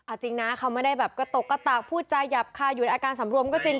เอาจริงนะเขาไม่ได้แบบกระตกกระตากพูดจาหยาบคาอยู่ในอาการสำรวมก็จริง